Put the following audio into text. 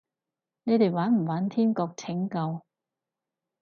你哋玩唔玩天國拯救？